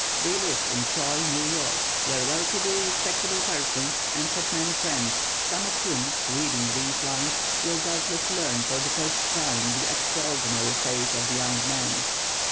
They lived in Troy, New York, were well to do, respectable persons, and had many friends, some of whom, reading these lines, will doubtless learn for the first time the extraordinary fate of the young man.